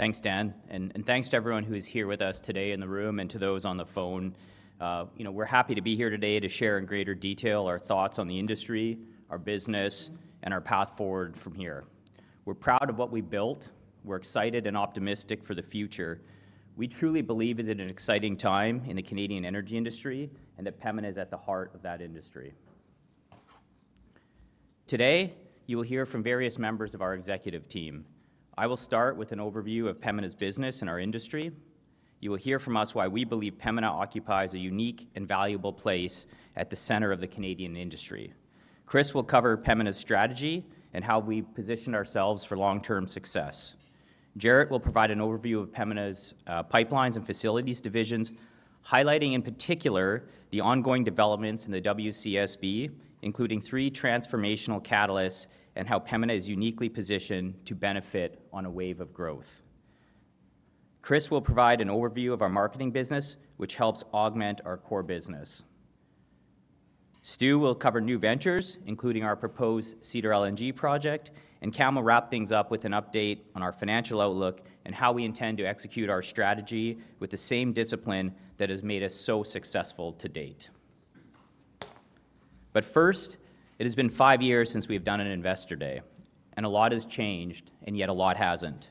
Thanks, Dan, and thanks to everyone who is here with us today in the room and to those on the phone. You know, we're happy to be here today to share in greater detail our thoughts on the industry, our business, and our path forward from here. We're proud of what we've built. We're excited and optimistic for the future. We truly believe it is an exciting time in the Canadian energy industry, and that Pembina is at the heart of that industry. Today, you will hear from various members of our executive team. I will start with an overview of Pembina's business and our industry. You will hear from us why we believe Pembina occupies a unique and valuable place at the center of the Canadian industry. Chris will cover Pembina's strategy and how we've positioned ourselves for long-term success. Jaret will provide an overview of Pembina's pipelines and facilities divisions, highlighting, in particular, the ongoing developments in the WCSB, including three transformational catalysts and how Pembina is uniquely positioned to benefit on a wave of growth. Chris will provide an overview of our marketing business, which helps augment our core business. Stu will cover new ventures, including our proposed Cedar LNG project, and Cam will wrap things up with an update on our financial outlook and how we intend to execute our strategy with the same discipline that has made us so successful to date. But first, it has been five years since we've done an Investor Day, and a lot has changed, and yet a lot hasn't.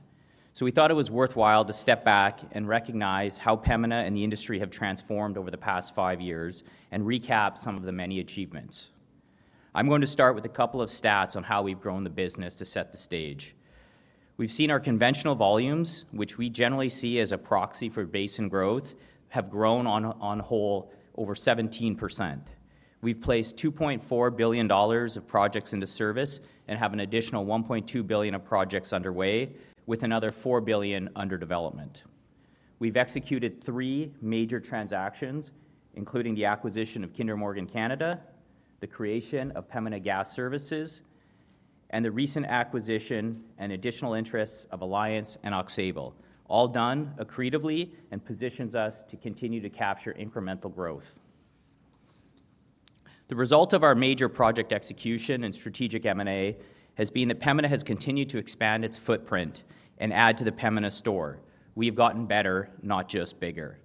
So we thought it was worthwhile to step back and recognize how Pembina and the industry have transformed over the past five years and recap some of the many achievements. I'm going to start with a couple of stats on how we've grown the business to set the stage. We've seen our conventional volumes, which we generally see as a proxy for basin growth, have grown, on the whole, over 17%. We've placed 2.4 billion dollars of projects into service and have an additional 1.2 billion of projects underway, with another 4 billion under development. We've executed three major transactions, including the acquisition of Kinder Morgan Canada, the creation of Pembina Gas Services, and the recent acquisition and additional interests of Alliance and Aux Sable, all done accretively and positions us to continue to capture incremental growth. The result of our major project execution and strategic M&A has been that Pembina has continued to expand its footprint and add to the Pembina story. We've gotten better, not just bigger.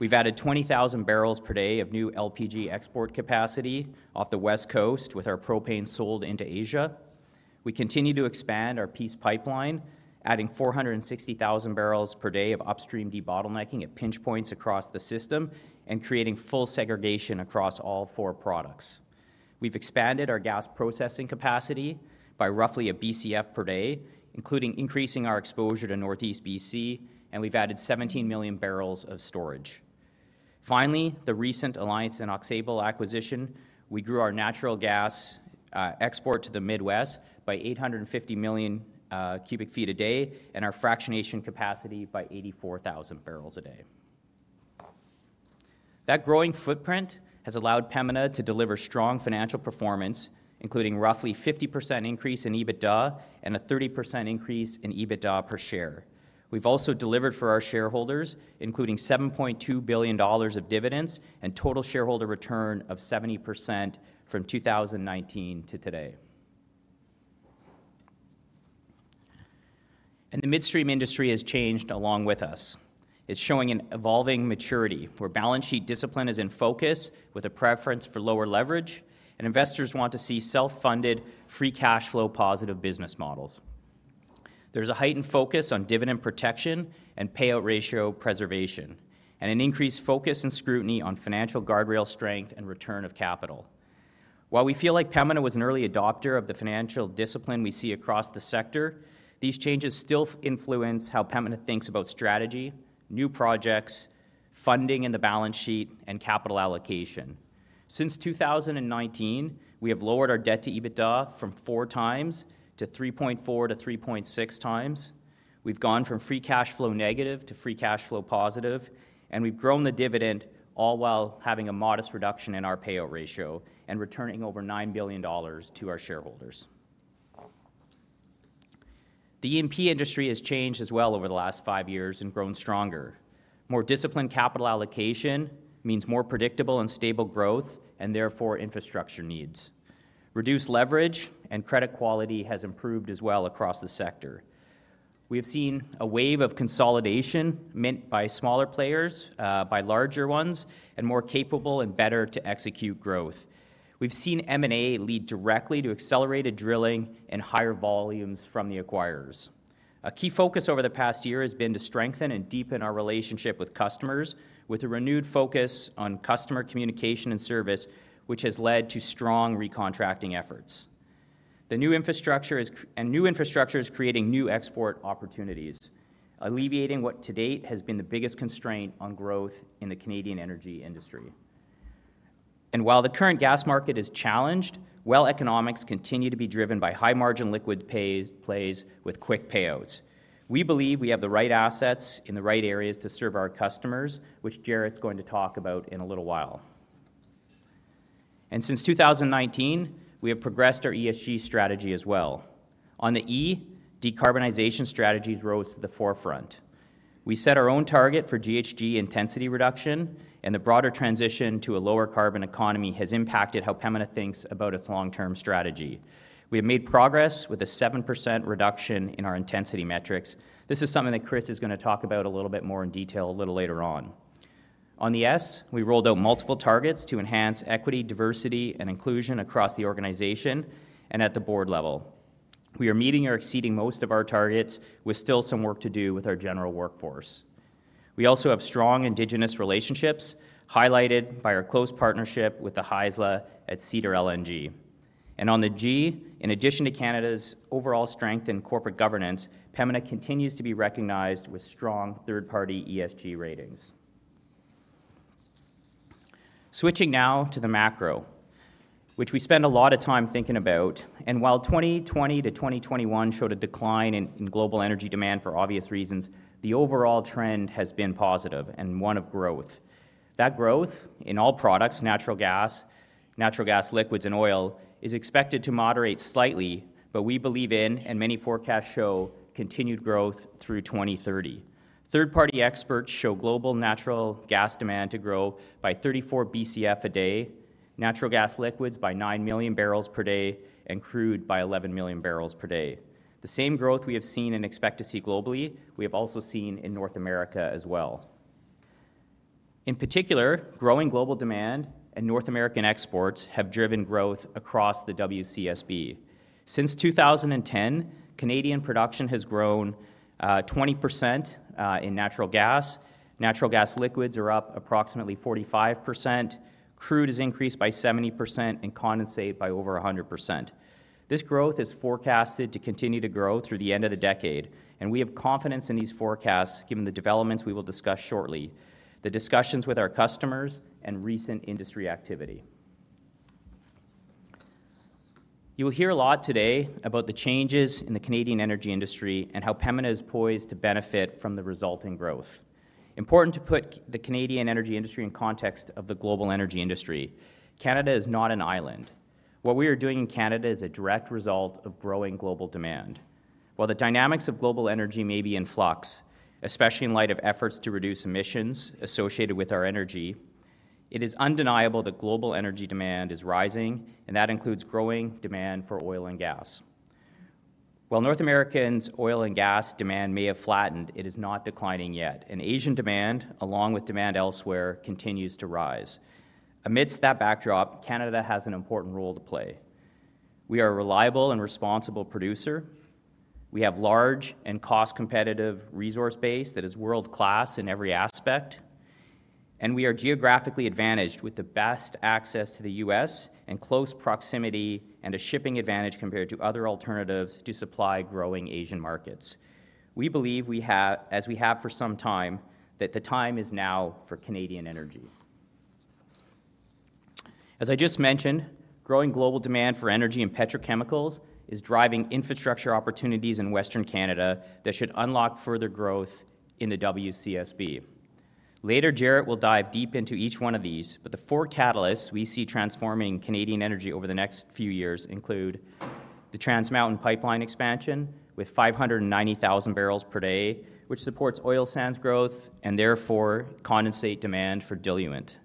We've added 0.02 MMbpd of new LPG export capacity off the West Coast, with our propane sold into Asia. We continue to expand our Peace Pipeline, adding 0.46 MMbpd of upstream debottlenecking at pinch points across the system and creating full segregation across all four products. We've expanded our gas processing capacity by roughly a BCF per day, including increasing our exposure to Northeast B.C., and we've added 17 million barrels of storage. Finally, the recent Alliance and Aux Sable acquisition, we grew our natural gas export to the Midwest by 850 million cubic feet a day and our fractionation capacity by 0.084 MMbpd. That growing footprint has allowed Pembina to deliver strong financial performance, including roughly 50% increase in EBITDA and a 30% increase in EBITDA per share. We've also delivered for our shareholders, including 7.2 billion dollars of dividends and total shareholder return of 70% from 2019 to today. The midstream industry has changed along with us. It's showing an evolving maturity, where balance sheet discipline is in focus with a preference for lower leverage, and investors want to see self-funded, free cash flow positive business models. There's a heightened focus on dividend protection and payout ratio preservation and an increased focus and scrutiny on financial guardrail strength and return of capital. While we feel like Pembina was an early adopter of the financial discipline we see across the sector, these changes still influence how Pembina thinks about strategy, new projects, funding in the balance sheet, and capital allocation. Since 2019, we have lowered our debt to EBITDA from 4x to 3.4x-3.6x. We've gone from free cash flow negative to free cash flow positive, and we've grown the dividend, all while having a modest reduction in our payout ratio and returning over 9 billion dollars to our shareholders. The E&P industry has changed as well over the last 5 years and grown stronger. More disciplined capital allocation means more predictable and stable growth and therefore infrastructure needs. Reduced leverage and credit quality has improved as well across the sector. We have seen a wave of consolidation meant by smaller players, by larger ones, and more capable and better to execute growth. We've seen M&A lead directly to accelerated drilling and higher volumes from the acquirers. A key focus over the past year has been to strengthen and deepen our relationship with customers, with a renewed focus on customer communication and service, which has led to strong re-contracting efforts. The new infrastructure is creating new export opportunities, alleviating what to date has been the biggest constraint on growth in the Canadian energy industry. While the current gas market is challenged, well economics continue to be driven by high-margin liquid pay, plays with quick payouts. We believe we have the right assets in the right areas to serve our customers, which Jaret's going to talk about in a little while. Since 2019, we have progressed our ESG strategy as well. On the E, decarbonization strategies rose to the forefront. We set our own target for GHG intensity reduction, and the broader transition to a lower carbon economy has impacted how Pembina thinks about its long-term strategy. We have made progress with a 7% reduction in our intensity metrics. This is something that Chris is going to talk about a little bit more in detail a little later on. On the S, we rolled out multiple targets to enhance equity, diversity, and inclusion across the organization and at the board level. We are meeting or exceeding most of our targets, with still some work to do with our general workforce. We also have strong indigenous relationships, highlighted by our close partnership with the Haisla at Cedar LNG. And on the G, in addition to Canada's overall strength in corporate governance, Pembina continues to be recognized with strong third-party ESG ratings. Switching now to the macro, which we spend a lot of time thinking about, and while 2020-2021 showed a decline in global energy demand for obvious reasons, the overall trend has been positive and one of growth. That growth in all products, natural gas, natural gas liquids, and oil, is expected to moderate slightly, but we believe in, and many forecasts show, continued growth through 2030. Third-party experts show global natural gas demand to grow by 34 BCF a day, natural gas liquids by 9 MMbpd, and crude by 11 MMbpd. The same growth we have seen and expect to see globally, we have also seen in North America as well. In particular, growing global demand and North American exports have driven growth across the WCSB. Since 2010, Canadian production has grown 20% in natural gas. Natural gas liquids are up approximately 45%, crude has increased by 70%, and condensate by over 100%. This growth is forecasted to continue to grow through the end of the decade, and we have confidence in these forecasts, given the developments we will discuss shortly, the discussions with our customers, and recent industry activity. You will hear a lot today about the changes in the Canadian energy industry and how Pembina is poised to benefit from the resulting growth. Important to put the Canadian energy industry in context of the global energy industry. Canada is not an island. What we are doing in Canada is a direct result of growing global demand. While the dynamics of global energy may be in flux, especially in light of efforts to reduce emissions associated with our energy, it is undeniable that global energy demand is rising, and that includes growing demand for oil and gas. While North Americans' oil and gas demand may have flattened, it is not declining yet, and Asian demand, along with demand elsewhere, continues to rise. Amidst that backdrop, Canada has an important role to play. We are a reliable and responsible producer, we have large and cost-competitive resource base that is world-class in every aspect, and we are geographically advantaged with the best access to the U.S. and close proximity and a shipping advantage compared to other alternatives to supply growing Asian markets. We believe we have, as we have for some time, that the time is now for Canadian energy. As I just mentioned, growing global demand for energy and petrochemicals is driving infrastructure opportunities in Western Canada that should unlock further growth in the WCSB. Later, Jaret will dive deep into each one of these, but the four catalysts we see transforming Canadian energy over the next few years include: the Trans Mountain Pipeline expansion with 0.59 MMbpd, which supports oil sands growth and therefore condensate demand for diluent.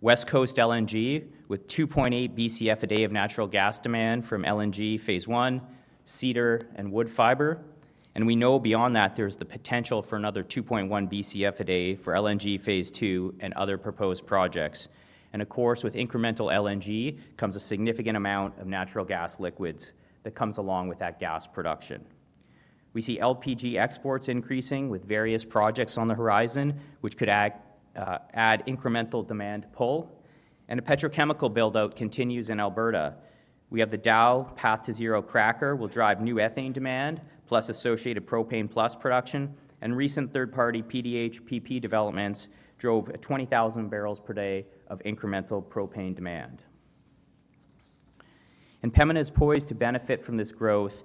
West Coast LNG with 2.8 BCF a day of natural gas demand from LNG Phase I, Cedar, and Woodfibre. And we know beyond that, there's the potential for another 2.1 BCF a day for LNG Phase II and other proposed projects. And of course, with incremental LNG, comes a significant amount of natural gas liquids that comes along with that gas production. We see LPG exports increasing with various projects on the horizon, which could add, add incremental demand pull, and a petrochemical build-out continues in Alberta. We have the Dow Path2Zero cracker will drive new ethane demand, plus associated propane plus production, and recent third-party PDHPP developments drove 0.02 MMbpd of incremental propane demand. Pembina is poised to benefit from this growth,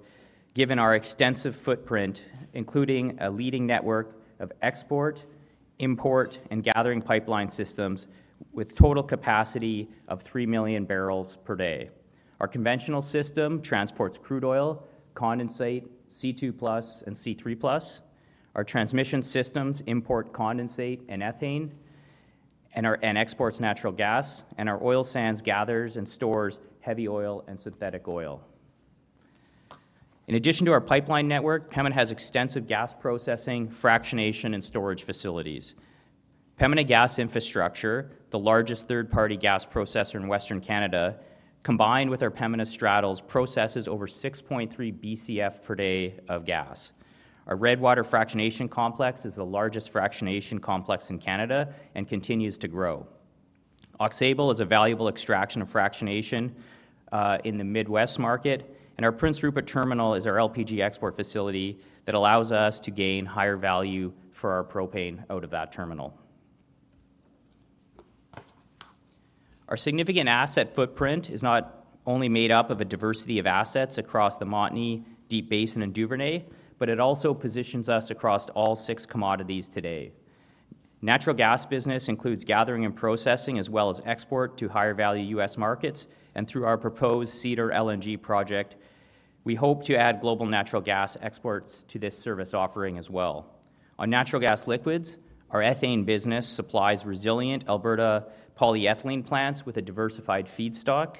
given our extensive footprint, including a leading network of export, import, and gathering pipeline systems with total capacity of 3 MMbpd. Our conventional system transports crude oil, condensate, C2 plus and C3 plus. Our transmission systems import condensate and ethane, and exports natural gas, and our oil sands gathers and stores heavy oil and synthetic oil. In addition to our pipeline network, Pembina has extensive gas processing, fractionation, and storage facilities. Pembina Gas Infrastructure, the largest third-party gas processor in Western Canada, combined with our Pembina Straddles, processes over 6.3 BCF per day of gas. Our Redwater Fractionation Complex is the largest fractionation complex in Canada and continues to grow. Aux Sable is a valuable extraction of fractionation in the Midwest market, and our Prince Rupert Terminal is our LPG export facility that allows us to gain higher value for our propane out of that terminal. Our significant asset footprint is not only made up of a diversity of assets across the Montney, Deep Basin, and Duvernay, but it also positions us across all six commodities today. Natural gas business includes gathering and processing, as well as export to higher value U.S. markets. And through our proposed Cedar LNG project, we hope to add global natural gas exports to this service offering as well. On natural gas liquids, our ethane business supplies resilient Alberta polyethylene plants with a diversified feedstock,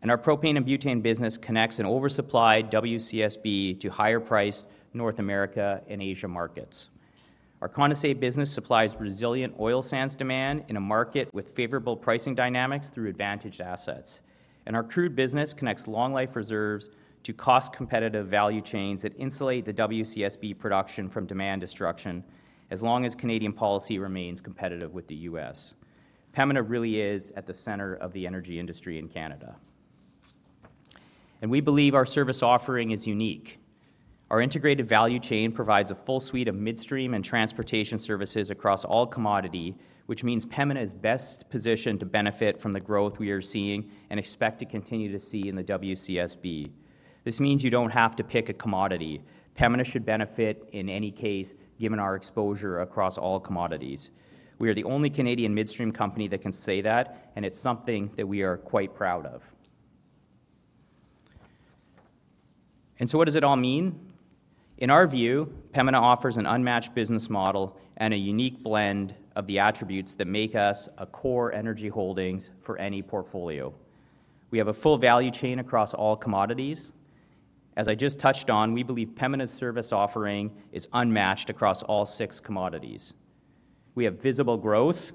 and our propane and butane business connects an oversupplied WCSB to higher priced North America and Asia markets. Our condensate business supplies resilient oil sands demand in a market with favorable pricing dynamics through advantaged assets. Our crude business connects long-life reserves to cost-competitive value chains that insulate the WCSB production from demand destruction as long as Canadian policy remains competitive with the U.S. Pembina really is at the center of the energy industry in Canada. We believe our service offering is unique. Our integrated value chain provides a full suite of midstream and transportation services across all commodity, which means Pembina is best positioned to benefit from the growth we are seeing and expect to continue to see in the WCSB. This means you don't have to pick a commodity. Pembina should benefit in any case, given our exposure across all commodities. We are the only Canadian midstream company that can say that, and it's something that we are quite proud of. And so what does it all mean? In our view, Pembina offers an unmatched business model and a unique blend of the attributes that make us a core energy holdings for any portfolio. We have a full value chain across all commodities. As I just touched on, we believe Pembina's service offering is unmatched across all six commodities. We have visible growth.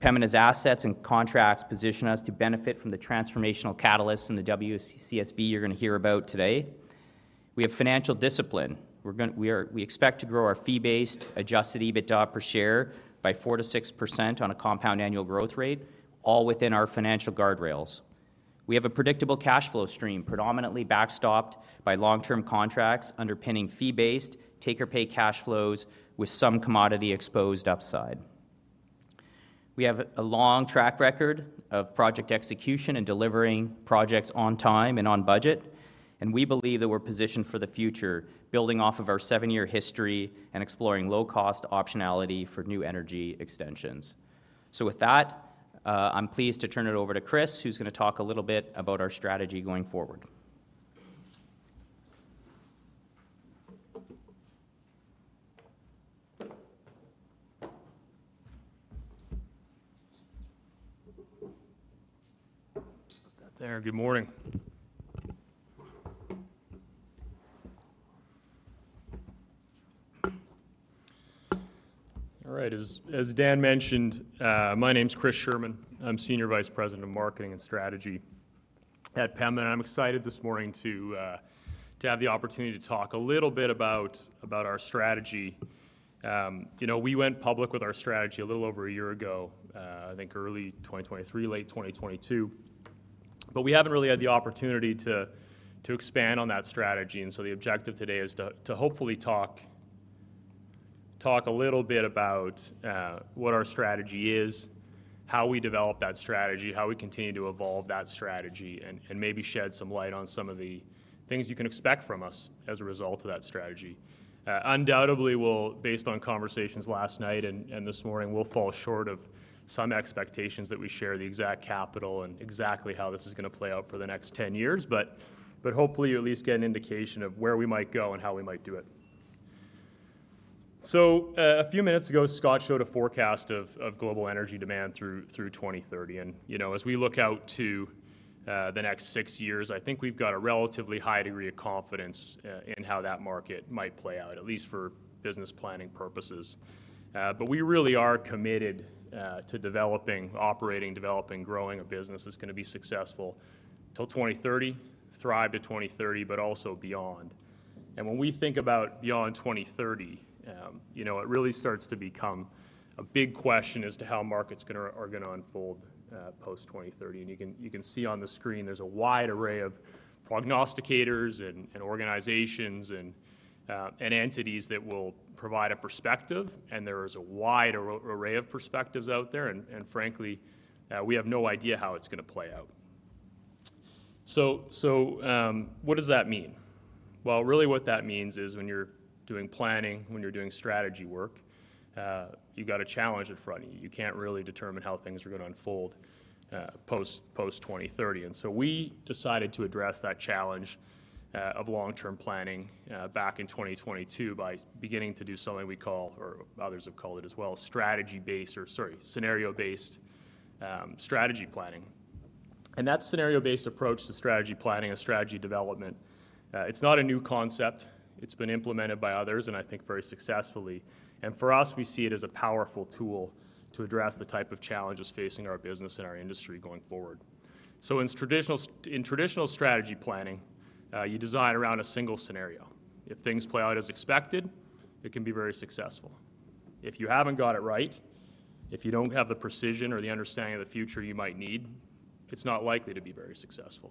Pembina's assets and contracts position us to benefit from the transformational catalysts in the WCSB you're going to hear about today. We have financial discipline. We expect to grow our fee-based adjusted EBITDA per share by 4%-6% on a compound annual growth rate, all within our financial guardrails. We have a predictable cash flow stream, predominantly backstopped by long-term contracts underpinning fee-based, take-or-pay cash flows with some commodity-exposed upside. We have a long track record of project execution and delivering projects on time and on budget, and we believe that we're positioned for the future, building off of our seven-year history and exploring low-cost optionality for new energy extensions. So with that, I'm pleased to turn it over to Chris, who's going to talk a little bit about our strategy going forward. Put that there. Good morning. All right. As Dan mentioned, my name's Chris Scherman. I'm Senior Vice President of Marketing and Strategy at Pembina. I'm excited this morning to have the opportunity to talk a little bit about our strategy. You know, we went public with our strategy a little over a year ago, I think early 2023, late 2022, but we haven't really had the opportunity to expand on that strategy. And so the objective today is to hopefully talk a little bit about what our strategy is, how we develop that strategy, how we continue to evolve that strategy, and maybe shed some light on some of the things you can expect from us as a result of that strategy. Undoubtedly, we'll based on conversations last night and this morning, we'll fall short of some expectations that we share the exact capital and exactly how this is gonna play out for the next 10 years. But hopefully, you at least get an indication of where we might go and how we might do it. So a few minutes ago, Scott showed a forecast of global energy demand through 2030. And you know, as we look out to the next six years, I think we've got a relatively high degree of confidence in how that market might play out, at least for business planning purposes. But we really are committed to developing, operating, developing, growing a business that's gonna be successful till 2030, thrive to 2030, but also beyond. And when we think about beyond 2030, you know, it really starts to become a big question as to how the market's gonna are gonna unfold, post-2030. And you can, you can see on the screen, there's a wide array of prognosticators and, and organizations and, and entities that will provide a perspective, and there is a wide array of perspectives out there. And, and frankly, we have no idea how it's gonna play out. So, so, what does that mean? Well, really what that means is when you're doing planning, when you're doing strategy work, you've got a challenge in front of you. You can't really determine how things are gonna unfold, post, post-2030. We decided to address that challenge of long-term planning back in 2022, by beginning to do something we call, or others have called it as well, strategy-based or, sorry, scenario-based strategy planning. That scenario-based approach to strategy planning or strategy development, it's not a new concept. It's been implemented by others, and I think very successfully. For us, we see it as a powerful tool to address the type of challenges facing our business and our industry going forward. In traditional strategy planning, you design around a single scenario. If things play out as expected, it can be very successful. If you haven't got it right, if you don't have the precision or the understanding of the future you might need, it's not likely to be very successful.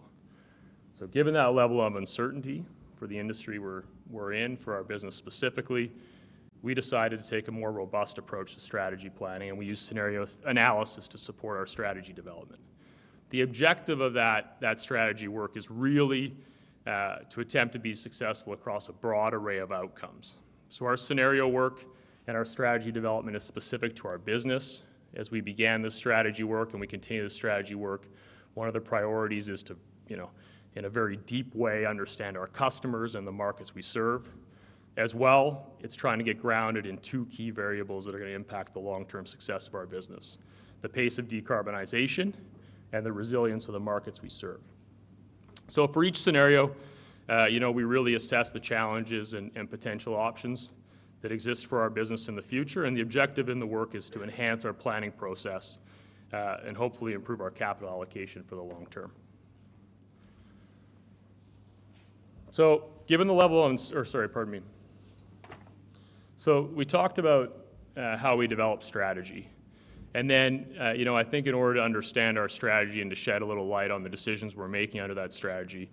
So given that level of uncertainty for the industry we're in, for our business specifically, we decided to take a more robust approach to strategy planning, and we used scenario analysis to support our strategy development. The objective of that strategy work is really to attempt to be successful across a broad array of outcomes. So our scenario work and our strategy development is specific to our business. As we began this strategy work, and we continue the strategy work, one of the priorities is to, you know, in a very deep way, understand our customers and the markets we serve. As well, it's trying to get grounded in two key variables that are gonna impact the long-term success of our business: the pace of decarbonization and the resilience of the markets we serve. So for each scenario, you know, we really assess the challenges and potential options that exist for our business in the future, and the objective in the work is to enhance our planning process and hopefully improve our capital allocation for the long term. So we talked about how we develop strategy, and then, you know, I think in order to understand our strategy and to shed a little light on the decisions we're making under that strategy,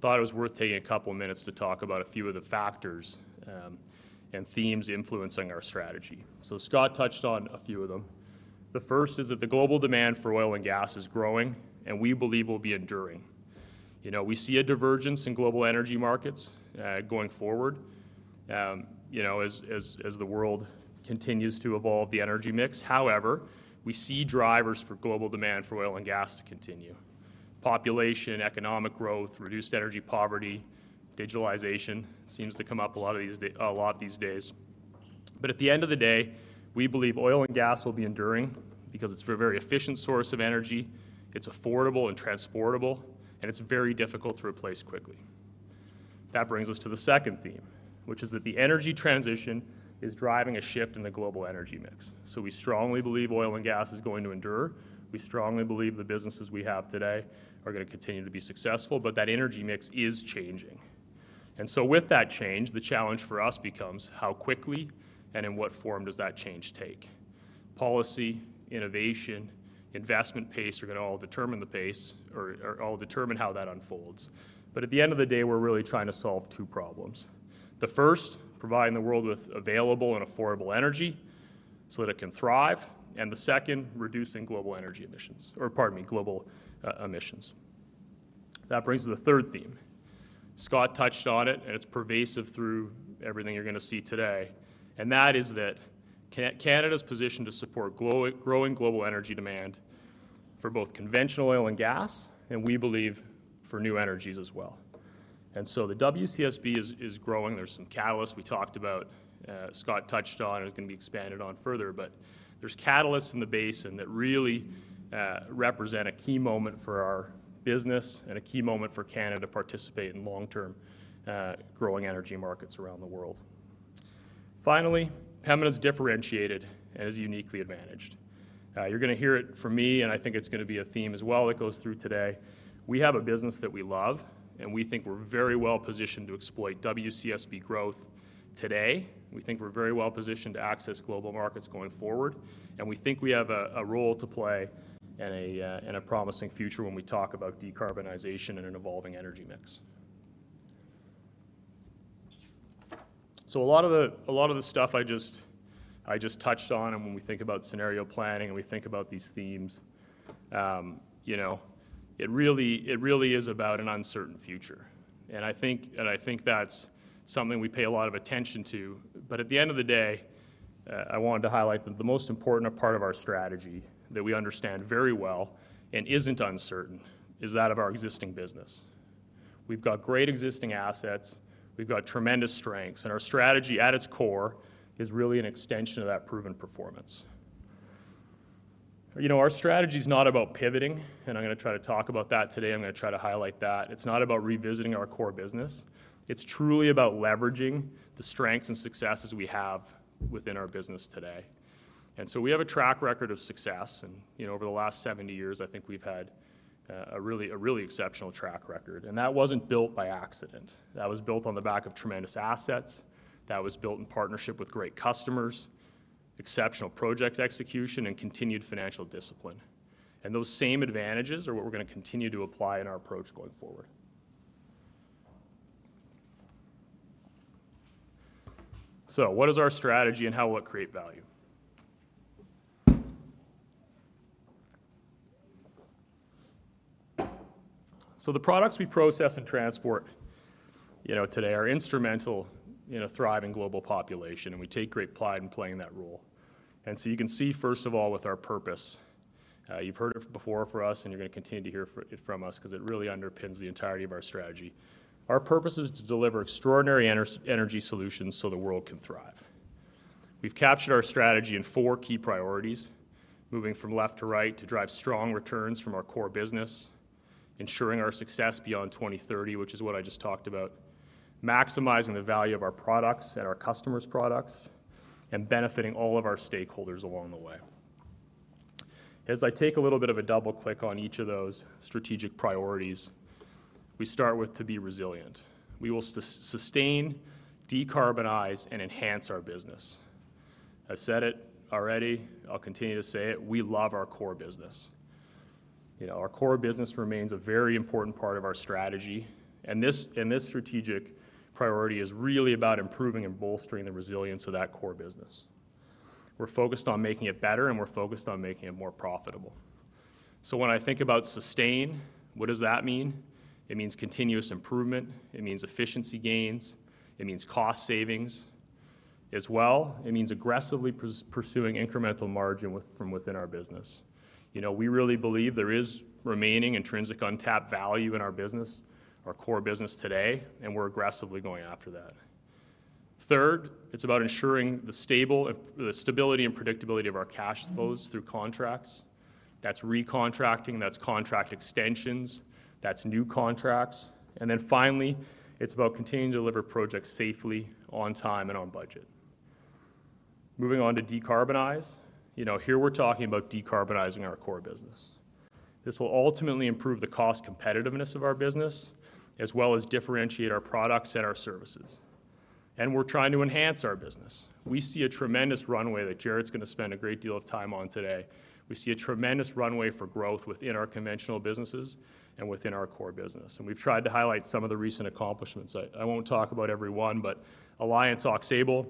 thought it was worth taking a couple of minutes to talk about a few of the factors and themes influencing our strategy. So Scott touched on a few of them. The first is that the global demand for oil and gas is growing, and we believe will be enduring. You know, we see a divergence in global energy markets, going forward, you know, as the world continues to evolve the energy mix. However, we see drivers for global demand for oil and gas to continue. Population, economic growth, reduced energy poverty, digitalization seems to come up a lot these days. But at the end of the day, we believe oil and gas will be enduring because it's a very efficient source of energy, it's affordable and transportable, and it's very difficult to replace quickly. That brings us to the second theme, which is that the energy transition is driving a shift in the global energy mix. So we strongly believe oil and gas is going to endure. We strongly believe the businesses we have today are gonna continue to be successful, but that energy mix is changing. With that change, the challenge for us becomes how quickly and in what form does that change take? Policy, innovation, investment pace are gonna all determine the pace or all determine how that unfolds. But at the end of the day, we're really trying to solve two problems. The first, providing the world with available and affordable energy so that it can thrive, and the second, reducing global energy emissions or, pardon me, global emissions. That brings us to the third theme. Scott touched on it, and it's pervasive through everything you're gonna see today, and that is that Canada's position to support growing global energy demand for both conventional oil and gas, and we believe for new energies as well. And so the WCSB is growing. There's some catalysts we talked about, Scott touched on, and it's gonna be expanded on further, but there's catalysts in the basin that really represent a key moment for our business and a key moment for Canada to participate in long-term growing energy markets around the world. Finally, Pembina is differentiated and is uniquely advantaged. You're gonna hear it from me, and I think it's gonna be a theme as well that goes through today. We have a business that we love, and we think we're very well-positioned to exploit WCSB growth today. We think we're very well-positioned to access global markets going forward, and we think we have a role to play and a promising future when we talk about decarbonization and an evolving energy mix. So a lot of the stuff I just touched on, and when we think about scenario planning, and we think about these themes, you know, it really, it really is about an uncertain future. And I think that's something we pay a lot of attention to. But at the end of the day, I wanted to highlight that the most important part of our strategy that we understand very well and isn't uncertain is that of our existing business. We've got great existing assets, we've got tremendous strengths, and our strategy at its core is really an extension of that proven performance. You know, our strategy is not about pivoting, and I'm gonna try to talk about that today. I'm gonna try to highlight that. It's not about revisiting our core business. It's truly about leveraging the strengths and successes we have within our business today. So we have a track record of success, and, you know, over the last 70 years, I think we've had a really, a really exceptional track record, and that wasn't built by accident. That was built on the back of tremendous assets, that was built in partnership with great customers, exceptional project execution, and continued financial discipline. Those same advantages are what we're gonna continue to apply in our approach going forward. What is our strategy, and how will it create value? The products we process and transport, you know, today are instrumental in a thriving global population, and we take great pride in playing that role. And so you can see, first of all, with our purpose, you've heard it before from us, and you're gonna continue to hear it from us 'cause it really underpins the entirety of our strategy. Our purpose is to deliver extraordinary energy solutions so the world can thrive. We've captured our strategy in four key priorities, moving from left to right: to drive strong returns from our core business, ensuring our success beyond 2030, which is what I just talked about, maximizing the value of our products and our customers' products, and benefiting all of our stakeholders along the way. As I take a little bit of a double click on each of those strategic priorities, we start with to be resilient. We will sustain, decarbonize, and enhance our business. I've said it already, I'll continue to say it: We love our core business. You know, our core business remains a very important part of our strategy, and this, and this strategic priority is really about improving and bolstering the resilience of that core business. We're focused on making it better, and we're focused on making it more profitable. So when I think about sustain, what does that mean? It means continuous improvement. It means efficiency gains. It means cost savings. As well, it means aggressively pursuing incremental margin from within our business. You know, we really believe there is remaining intrinsic untapped value in our business, our core business today, and we're aggressively going after that. Third, it's about ensuring the stable, the stability and predictability of our cash flows through contracts. That's re-contracting, that's contract extensions, that's new contracts, and then finally, it's about continuing to deliver projects safely, on time, and on budget. Moving on to decarbonize. You know, here we're talking about decarbonizing our core business. This will ultimately improve the cost competitiveness of our business, as well as differentiate our products and our services. We're trying to enhance our business. We see a tremendous runway that Jaret's gonna spend a great deal of time on today. We see a tremendous runway for growth within our conventional businesses and within our core business, and we've tried to highlight some of the recent accomplishments. I, I won't talk about every one, but Alliance Aux Sable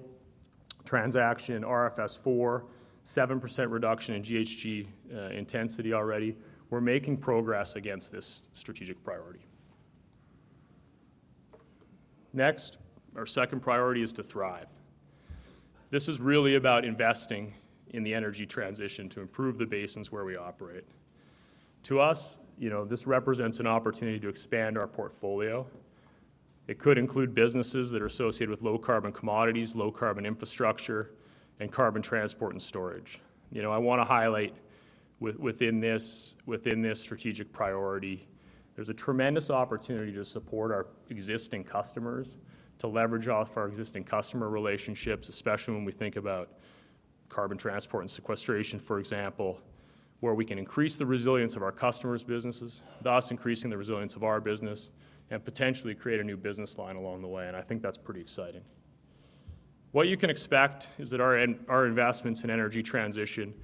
transaction, RFS IV, 7% reduction in GHG intensity already. We're making progress against this strategic priority. Next, our second priority is to thrive. This is really about investing in the energy transition to improve the basins where we operate. To us, you know, this represents an opportunity to expand our portfolio. It could include businesses that are associated with low-carbon commodities, low-carbon infrastructure, and carbon transport and storage. You know, I wanna highlight within this, within this strategic priority, there's a tremendous opportunity to support our existing customers, to leverage off our existing customer relationships, especially when we think about carbon transport and sequestration, for example, where we can increase the resilience of our customers' businesses, thus increasing the resilience of our business and potentially create a new business line along the way, and I think that's pretty exciting. What you can expect is that our our investments in energy transition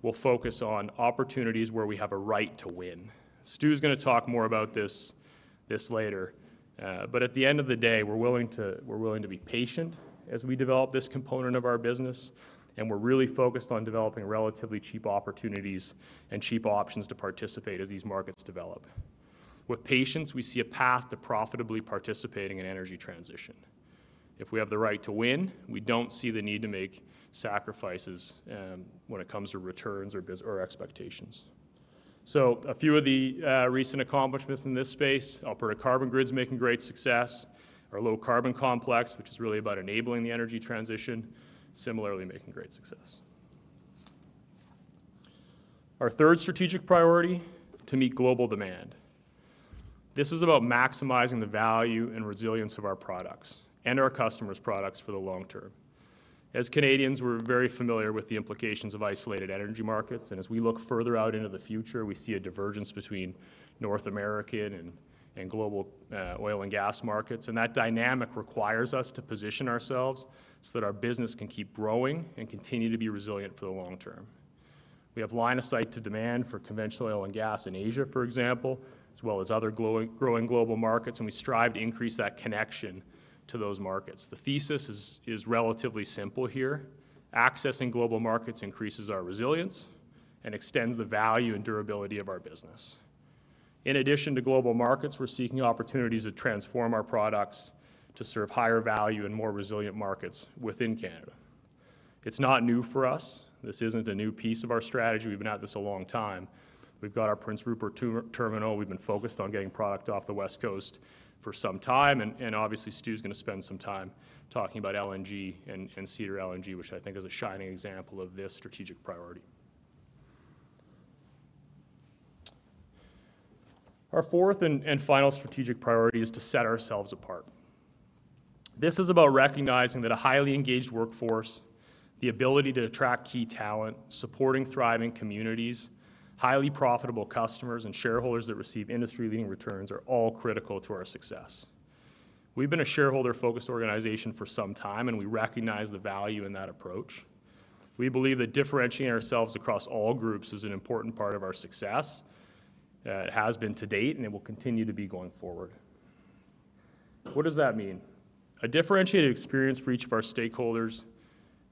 will focus on opportunities where we have a right to win. Stu's gonna talk more about this, this later, but at the end of the day, we're willing to, we're willing to be patient as we develop this component of our business, and we're really focused on developing relatively cheap opportunities and cheap options to participate as these markets develop. With patience, we see a path to profitably participating in energy transition. If we have the right to win, we don't see the need to make sacrifices, when it comes to returns or bus- or expectations. So a few of the recent accomplishments in this space, Alberta Carbon Grid's making great success. Our Low Carbon Complex, which is really about enabling the energy transition, similarly making great success. Our third strategic priority: to meet global demand. This is about maximizing the value and resilience of our products and our customers' products for the long term. As Canadians, we're very familiar with the implications of isolated energy markets, and as we look further out into the future, we see a divergence between North American and global oil and gas markets, and that dynamic requires us to position ourselves so that our business can keep growing and continue to be resilient for the long term. We have line of sight to demand for conventional oil and gas in Asia, for example, as well as other growing global markets, and we strive to increase that connection to those markets. The thesis is relatively simple here. Accessing global markets increases our resilience and extends the value and durability of our business. In addition to global markets, we're seeking opportunities to transform our products to serve higher value and more resilient markets within Canada. It's not new for us. This isn't a new piece of our strategy. We've been at this a long time. We've got our Prince Rupert Terminal. We've been focused on getting product off the West Coast for some time, and, and obviously, Stu's gonna spend some time talking about LNG and, and Cedar LNG, which I think is a shining example of this strategic priority. Our fourth and, and final strategic priority is to set ourselves apart. This is about recognizing that a highly engaged workforce, the ability to attract key talent, supporting thriving communities, highly profitable customers, and shareholders that receive industry-leading returns are all critical to our success. We've been a shareholder-focused organization for some time, and we recognize the value in that approach. We believe that differentiating ourselves across all groups is an important part of our success. It has been to date, and it will continue to be going forward. What does that mean? A differentiated experience for each of our stakeholders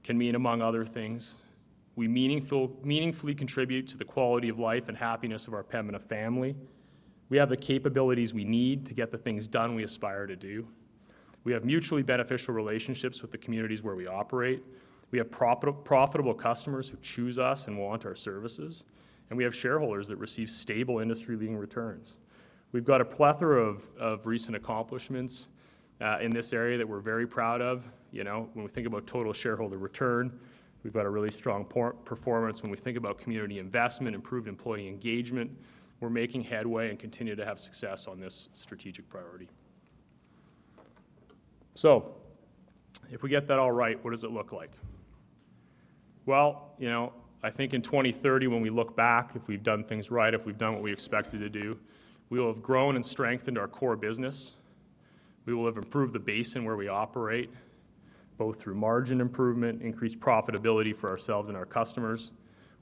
can mean, among other things, we meaningfully contribute to the quality of life and happiness of our Pembina family. We have the capabilities we need to get the things done we aspire to do. We have mutually beneficial relationships with the communities where we operate. We have profitable customers who choose us and want our services, and we have shareholders that receive stable, industry-leading returns. We've got a plethora of recent accomplishments in this area that we're very proud of. You know, when we think about total shareholder return, we've got a really strong performance. When we think about community investment, improved employee engagement, we're making headway and continue to have success on this strategic priority. So if we get that all right, what does it look like? Well, you know, I think in 2030, when we look back, if we've done things right, if we've done what we expected to do, we will have grown and strengthened our core business. We will have improved the basin where we operate, both through margin improvement, increased profitability for ourselves and our customers.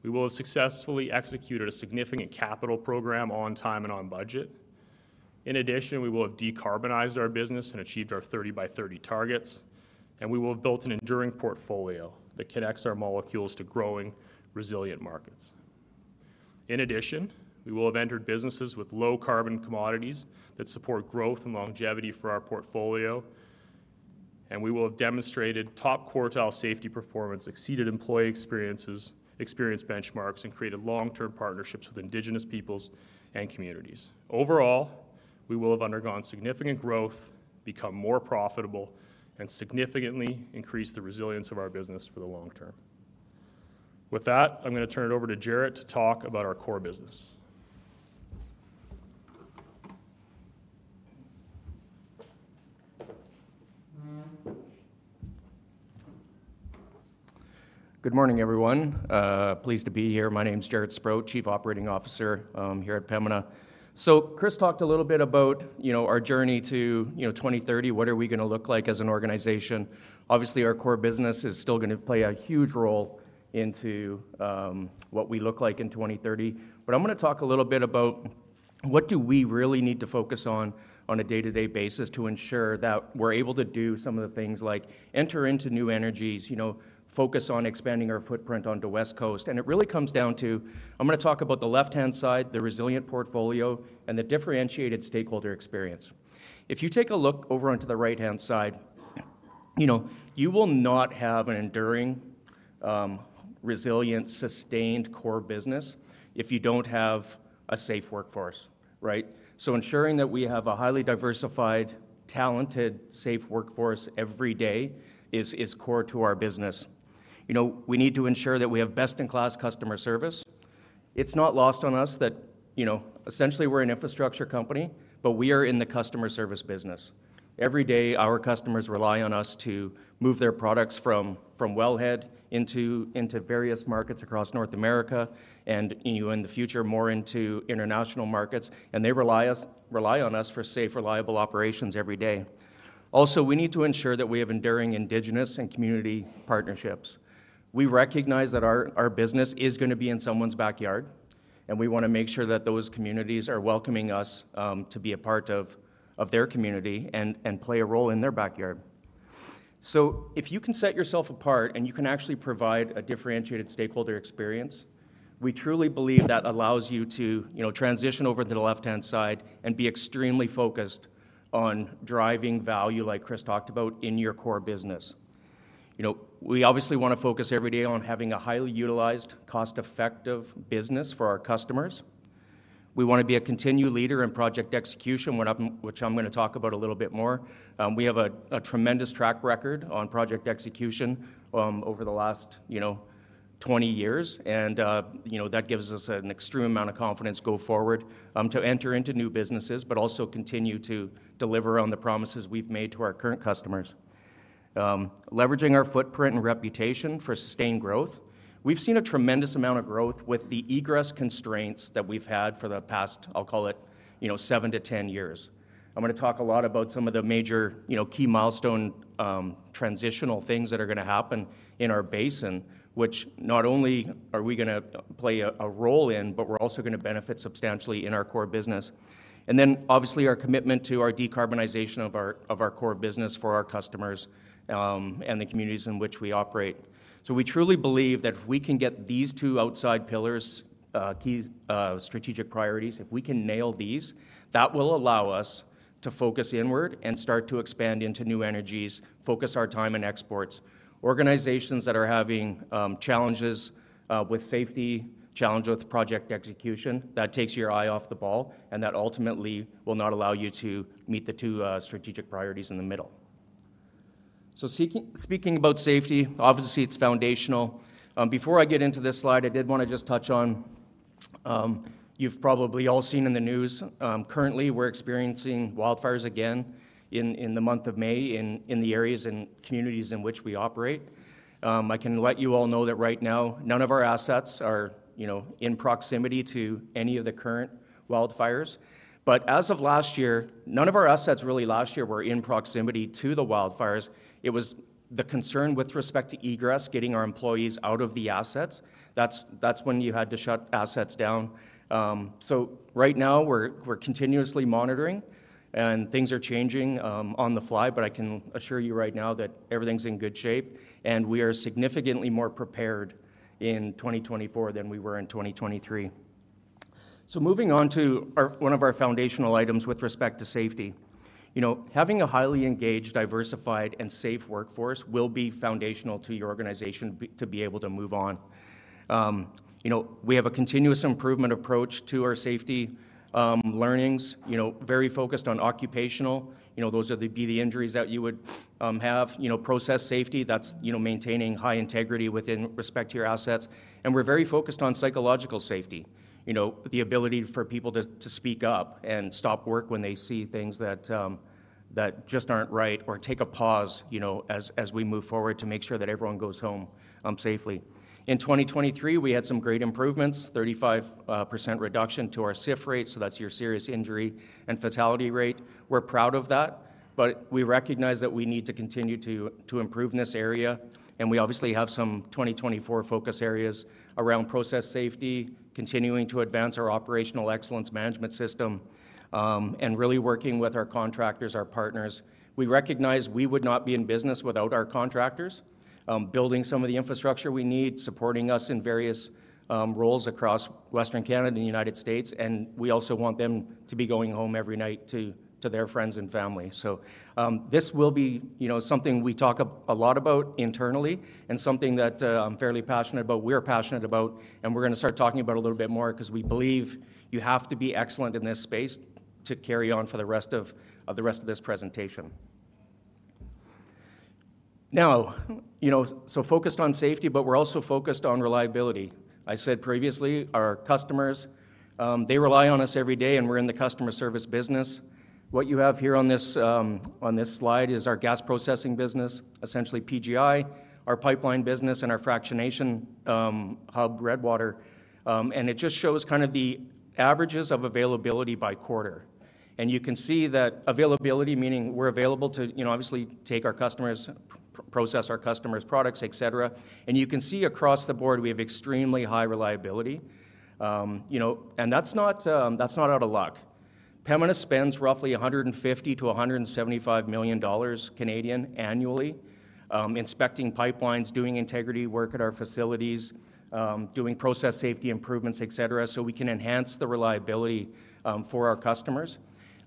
We will have successfully executed a significant capital program on time and on budget. In addition, we will have decarbonized our business and achieved our 30x30 targets, and we will have built an enduring portfolio that connects our molecules to growing, resilient markets. In addition, we will have entered businesses with low-carbon commodities that support growth and longevity for our portfolio, and we will have demonstrated top-quartile safety performance, exceeded employee experiences, experience benchmarks, and created long-term partnerships with Indigenous peoples and communities. Overall, we will have undergone significant growth, become more profitable, and significantly increased the resilience of our business for the long term. With that, I'm going to turn it over to Jaret to talk about our core business. Good morning, everyone. Pleased to be here. My name's Jaret Sprott, Chief Operating Officer, here at Pembina. Chris talked a little bit about, you know, our journey to, you know, 2030, what are we gonna look like as an organization? Obviously, our core business is still gonna play a huge role into what we look like in 2030. But I'm gonna talk a little bit about what do we really need to focus on, on a day-to-day basis to ensure that we're able to do some of the things like enter into new energies, you know, focus on expanding our footprint onto West Coast. And it really comes down to—I'm gonna talk about the left-hand side, the resilient portfolio, and the differentiated stakeholder experience. If you take a look over onto the right-hand side, you know, you will not have an enduring, resilient, sustained core business if you don't have a safe workforce, right? So ensuring that we have a highly diversified, talented, safe workforce every day is core to our business. You know, we need to ensure that we have best-in-class customer service. It's not lost on us that, you know, essentially, we're an infrastructure company, but we are in the customer service business. Every day, our customers rely on us to move their products from wellhead into various markets across North America and, you know, in the future, more into international markets, and they rely on us for safe, reliable operations every day. Also, we need to ensure that we have enduring Indigenous and community partnerships. We recognize that our business is gonna be in someone's backyard, and we want to make sure that those communities are welcoming us to be a part of their community and play a role in their backyard. So if you can set yourself apart, and you can actually provide a differentiated stakeholder experience, we truly believe that allows you to, you know, transition over to the left-hand side and be extremely focused on driving value, like Chris talked about, in your core business. You know, we obviously want to focus every day on having a highly utilized, cost-effective business for our customers. We want to be a continued leader in project execution, which I'm gonna talk about a little bit more. We have a tremendous track record on project execution over the last, you know, 20 years, and, you know, that gives us an extreme amount of confidence going forward to enter into new businesses, but also continue to deliver on the promises we've made to our current customers. Leveraging our footprint and reputation for sustained growth, we've seen a tremendous amount of growth with the egress constraints that we've had for the past, I'll call it, you know, 7 years-10 years. I'm gonna talk a lot about some of the major, you know, key milestone transitional things that are gonna happen in our basin, which not only are we gonna play a role in, but we're also gonna benefit substantially in our core business. And then, obviously, our commitment to our decarbonization of our, of our core business for our customers, and the communities in which we operate. So we truly believe that if we can get these two outside pillars, key strategic priorities, if we can nail these, that will allow us to focus inward and start to expand into new energies, focus our time on exports. Organizations that are having, challenges, with safety, challenge with project execution, that takes your eye off the ball, and that ultimately will not allow you to meet the two strategic priorities in the middle. So speaking about safety, obviously, it's foundational. Before I get into this slide, I did want to just touch on. You've probably all seen in the news, currently, we're experiencing wildfires again in, in the month of May, in, in the areas and communities in which we operate. I can let you all know that right now, none of our assets are, you know, in proximity to any of the current wildfires. But as of last year, none of our assets really last year were in proximity to the wildfires. It was the concern with respect to egress, getting our employees out of the assets, that's, that's when you had to shut assets down. So right now, we're, we're continuously monitoring, and things are changing, on the fly, but I can assure you right now that everything's in good shape, and we are significantly more prepared in 2024 than we were in 2023. So moving on to our, one of our foundational items with respect to safety. You know, having a highly engaged, diversified, and safe workforce will be foundational to your organization to be able to move on. You know, we have a continuous improvement approach to our safety, learnings. You know, very focused on occupational. You know, those are the injuries that you would have. You know, process safety, that's, you know, maintaining high integrity within respect to your assets. And we're very focused on psychological safety. You know, the ability for people to speak up and stop work when they see things that just aren't right or take a pause, you know, as we move forward, to make sure that everyone goes home safely. In 2023, we had some great improvements, 35% reduction to our SIF rate, so that's your serious injury and fatality rate. We're proud of that, but we recognize that we need to continue to improve in this area, and we obviously have some 2024 focus areas around process safety, continuing to advance our Operational Excellence Management System, and really working with our contractors, our partners. We recognize we would not be in business without our contractors, building some of the infrastructure we need, supporting us in various roles across Western Canada and the United States, and we also want them to be going home every night to their friends and family. So, this will be, you know, something we talk a lot about internally and something that I'm fairly passionate about, we're passionate about, and we're gonna start talking about a little bit more 'cause we believe you have to be excellent in this space to carry on for the rest of, the rest of this presentation. Now, you know, so focused on safety, but we're also focused on reliability. I said previously, our customers, they rely on us every day, and we're in the customer service business. What you have here on this, on this slide is our gas processing business, essentially PGI, our pipeline business, and our fractionation, hub, Redwater. And it just shows kind of the averages of availability by quarter. You can see that availability, meaning we're available to, you know, obviously, take our customers' process our customers' products, et cetera. You can see across the board, we have extremely high reliability. You know, and that's not, that's not out of luck. Pembina spends roughly 150 million-175 million dollars annually, inspecting pipelines, doing integrity work at our facilities, doing process safety improvements, et cetera, so we can enhance the reliability, for our customers.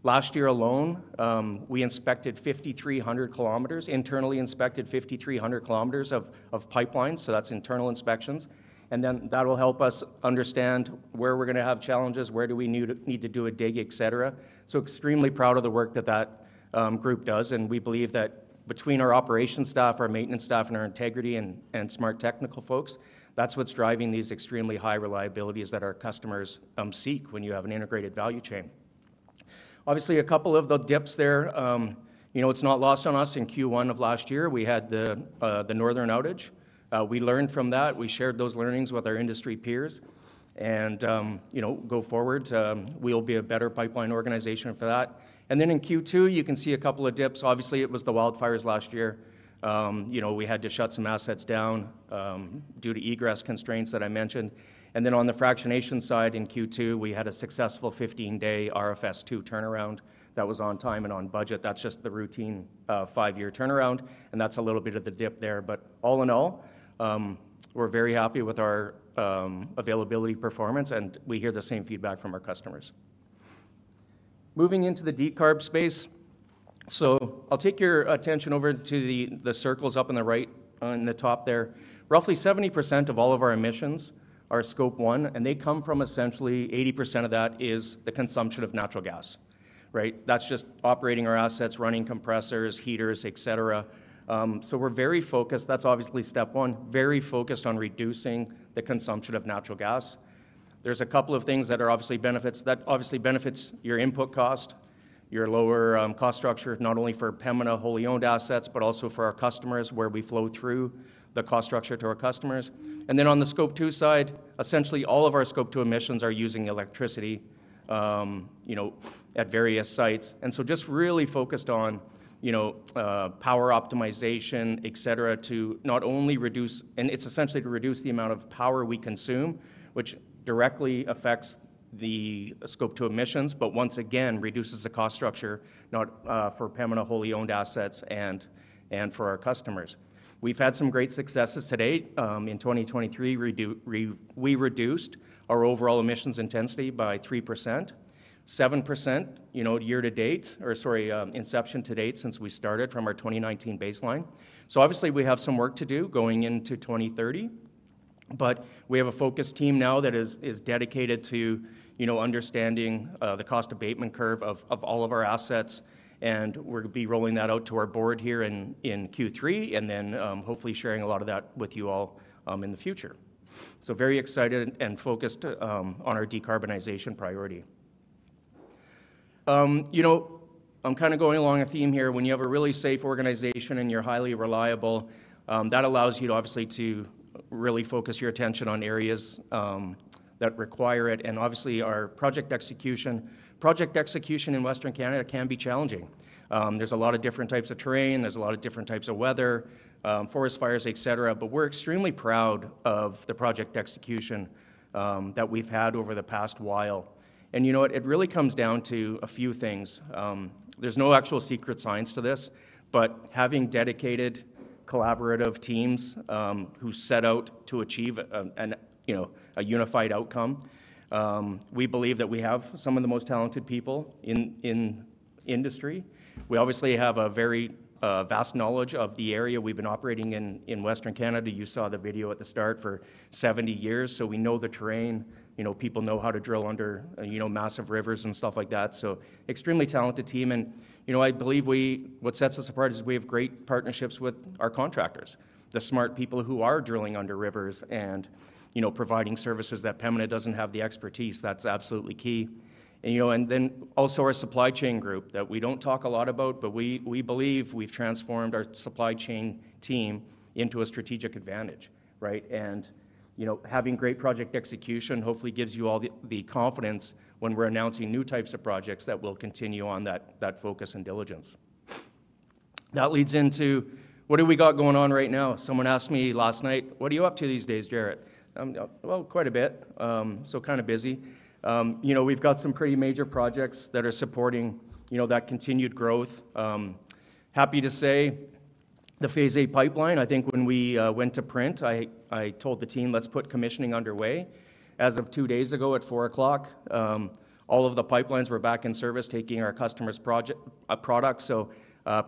Last year alone, we inspected 5,300 kilometers, internally inspected 5,300 kilometers of pipelines, so that's internal inspections. Then, that will help us understand where we're gonna have challenges, where do we need to do a dig, et cetera. So extremely proud of the work that group does, and we believe that between our operations staff, our maintenance staff, and our integrity and smart technical folks, that's what's driving these extremely high reliabilities that our customers seek when you have an integrated value chain. Obviously, a couple of the dips there, you know, it's not lost on us. In Q1 of last year, we had the Northern outage. We learned from that. We shared those learnings with our industry peers, and, you know, go forward, we'll be a better pipeline organization for that. And then, in Q2, you can see a couple of dips. Obviously, it was the wildfires last year. You know, we had to shut some assets down due to egress constraints that I mentioned. Then, on the fractionation side, in Q2, we had a successful 15-day RFS II turnaround that was on time and on budget. That's just the routine five-year turnaround, and that's a little bit of the dip there. But all in all, we're very happy with our availability performance, and we hear the same feedback from our customers. Moving into the decarb space, so I'll take your attention over to the circles up in the right, on the top there. Roughly 70% of all of our emissions are scope one, and they come from essentially 80% of that is the consumption of natural gas, right? That's just operating our assets, running compressors, heaters, et cetera. So we're very focused. That's obviously step one, very focused on reducing the consumption of natural gas. There's a couple of things that are obviously benefits that obviously benefits your input cost, your lower cost structure, not only for Pembina wholly-owned assets, but also for our customers, where we flow through the cost structure to our customers. And then, on the scope two side, essentially all of our scope two emissions are using electricity, you know, at various sites. And so just really focused on, you know, power optimization, et cetera, to not only reduce. And it's essentially to reduce the amount of power we consume, which directly affects the scope two emissions, but once again, reduces the cost structure, not for Pembina wholly-owned assets and for our customers. We've had some great successes to date. In 2023, we reduced our overall emissions intensity by 3%. 7%, you know, year to date, or sorry, inception to date, since we started from our 2019 baseline. So obviously, we have some work to do going into 2030, but we have a focus team now that is dedicated to, you know, understanding the cost abatement curve of all of our assets, and we're gonna be rolling that out to our board here in Q3, and then hopefully sharing a lot of that with you all in the future. So very excited and focused on our decarbonization priority. You know, I'm kinda going along a theme here. When you have a really safe organization and you're highly reliable, that allows you to, obviously, to really focus your attention on areas that require it, and obviously, our project execution. Project execution in Western Canada can be challenging. There's a lot of different types of terrain. There's a lot of different types of weather, forest fires, et cetera, but we're extremely proud of the project execution that we've had over the past while. And you know what? It really comes down to a few things. There's no actual secret science to this, but having dedicated, collaborative teams who set out to achieve, you know, a unified outcome, we believe that we have some of the most talented people in industry. We obviously have a very vast knowledge of the area. We've been operating in Western Canada, you saw the video at the start, for 70 years, so we know the terrain. You know, people know how to drill under, you know, massive rivers and stuff like that, so extremely talented team. And, you know, I believe what sets us apart is we have great partnerships with our contractors, the smart people who are drilling under rivers and, you know, providing services that Pembina doesn't have the expertise. That's absolutely key. And, you know, and then, also, our supply chain group that we don't talk a lot about, but we, we believe we've transformed our supply chain team into a strategic advantage, right? And, you know, having great project execution hopefully gives you all the, the confidence when we're announcing new types of projects that we'll continue on that, that focus and diligence. That leads into what do we got going on right now? Someone asked me last night: "What are you up to these days, Jaret?" Well, quite a bit, so kind of busy. You know, we've got some pretty major projects that are supporting, you know, that continued growth. Happy to say the Phase VIII Pipeline, I think when we went to print, I told the team, "Let's put commissioning underway." As of two days ago at 4:00 P.M., all of the pipelines were back in service, taking our customers' product, so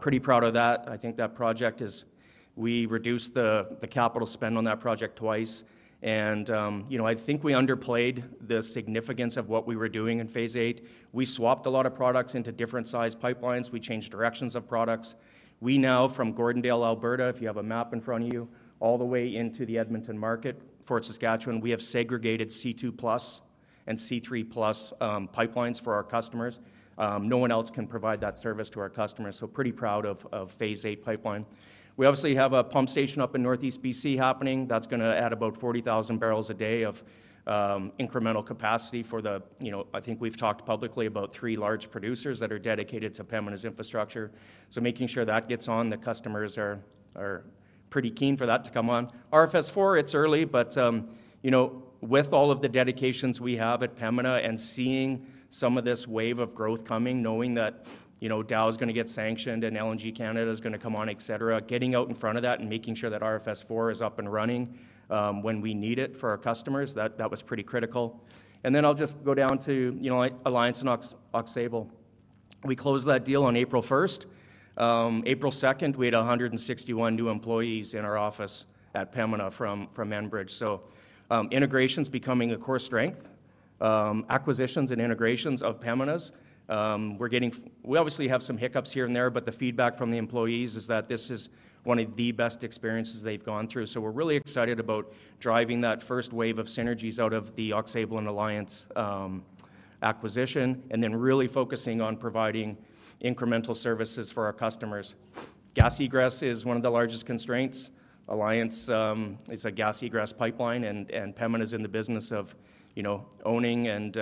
pretty proud of that. I think that project is. We reduced the capital spend on that project twice and, you know, I think we underplayed the significance of what we were doing in Phase VIII. We swapped a lot of products into different size pipelines. We changed directions of products. We now, from Gordondale, Alberta, if you have a map in front of you, all the way into the Edmonton market for Saskatchewan, we have segregated C2 plus and C3 plus pipelines for our customers. No one else can provide that service to our customers, so pretty proud of Phase VIII pipeline. We obviously have a pump station up in Northeast BC happening that's gonna add about 0.04 MMbpd of incremental capacity for the, you know, I think we've talked publicly about three large producers that are dedicated to Pembina's infrastructure, so making sure that gets on. The customers are pretty keen for that to come on. RFS IV, it's early, but, you know, with all of the dedications we have at Pembina and seeing some of this wave of growth coming, knowing that, you know, Dow is gonna get sanctioned and LNG Canada is gonna come on, et cetera, getting out in front of that and making sure that RFS IV is up and running, when we need it for our customers, that, that was pretty critical. And then I'll just go down to, you know, like, Alliance and Aux Sable. We closed that deal on April 1. April 2, we had 161 new employees in our office at Pembina from, from Enbridge, so, integration's becoming a core strength. Acquisitions and integrations of Pembina's, we're getting we obviously have some hiccups here and there, but the feedback from the employees is that this is one of the best experiences they've gone through. So we're really excited about driving that first wave of synergies out of theAux Sable and Alliance, acquisition, and then really focusing on providing incremental services for our customers. Gas egress is one of the largest constraints. Alliance, is a gas egress pipeline, and, and Pembina is in the business of, you know, owning and,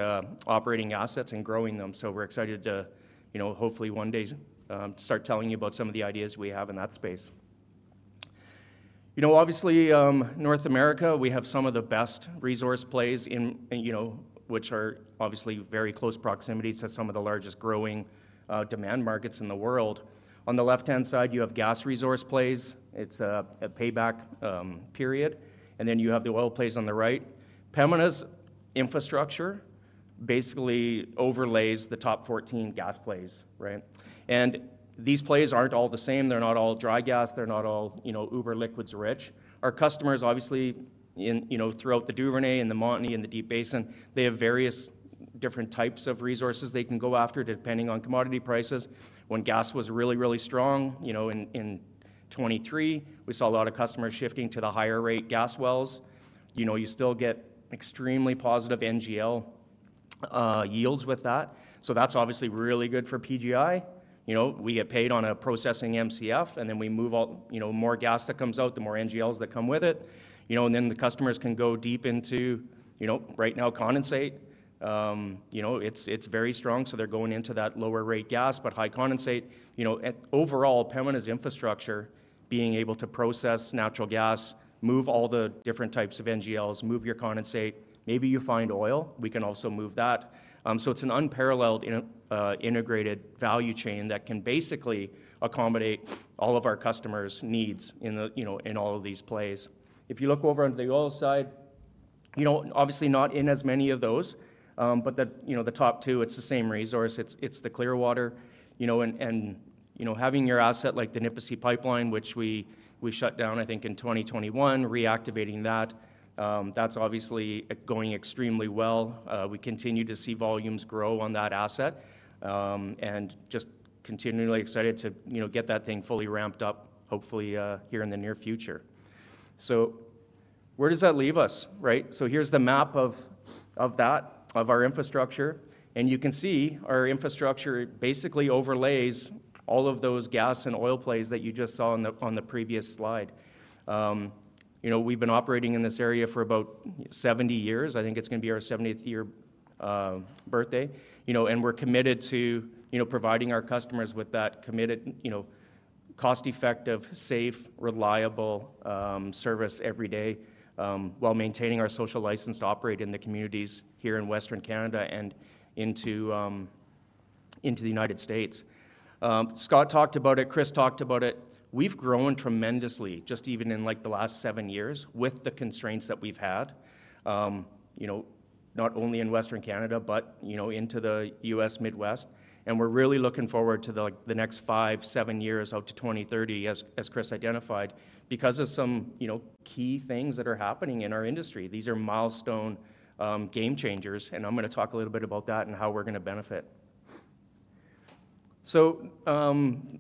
operating assets and growing them. So we're excited to, you know, hopefully one day, start telling you about some of the ideas we have in that space. You know, obviously, North America, we have some of the best resource plays in, you know, which are obviously very close proximities to some of the largest growing, demand markets in the world. On the left-hand side, you have gas resource plays. It's a payback period, and then you have the oil plays on the right. Pembina's infrastructure basically overlays the top 14 gas plays, right? And these plays aren't all the same. They're not all dry gas. They're not all, you know, uber liquids rich. Our customers, obviously, in, you know, throughout the Duvernay and the Montney and the Deep Basin, they have various different types of resources they can go after, depending on commodity prices. When gas was really, really strong, you know, in 2023, we saw a lot of customers shifting to the higher rate gas wells. You know, you still get extremely positive NGL yields with that, so that's obviously really good for PGI. You know, we get paid on a processing MCF, and then we move all, you know, more gas that comes out, the more NGLs that come with it. You know, and then the customers can go deep into, you know, right now, condensate. You know, it's, it's very strong, so they're going into that lower rate gas, but high condensate. You know, overall, Pembina's infrastructure, being able to process natural gas, move all the different types of NGLs, move your condensate, maybe you find oil, we can also move that. So it's an unparalleled integrated value chain that can basically accommodate all of our customers' needs in the, you know, in all of these plays. If you look over on the oil side, you know, obviously not in as many of those, but the, you know, the top two, it's the same resource. It's, it's the Clearwater. You know, and, and, you know, having your asset like the Nipisi pipeline, which we, we shut down, I think, in 2021, reactivating that, that's obviously going extremely well. We continue to see volumes grow on that asset, and just continually excited to, you know, get that thing fully ramped up, hopefully here in the near future. So where does that leave us, right? So here's the map of that, of our infrastructure, and you can see our infrastructure basically overlays all of those gas and oil plays that you just saw on the previous slide. You know, we've been operating in this area for about 70 years. I think it's gonna be our 70th year birthday. You know, and we're committed to, you know, providing our customers with that committed, you know, cost-effective, safe, reliable service every day, while maintaining our social license to operate in the communities here in Western Canada and into, into the United States. Scott talked about it. Chris talked about it. We've grown tremendously, just even in, like, the last 7 years, with the constraints that we've had, you know, not only in Western Canada but, you know, into the U.S. Midwest, and we're really looking forward to the, like, the next 5, 7 years out to 2030, as, as Chris identified, because of some, you know, key things that are happening in our industry. These are milestone game changers, and I'm gonna talk a little bit about that and how we're gonna benefit. So,